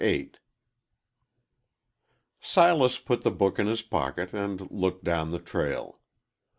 VIII SILAS put the book in his pocket and looked down the trail.